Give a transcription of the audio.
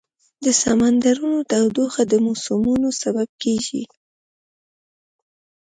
د سمندرونو تودوخه د موسمونو سبب کېږي.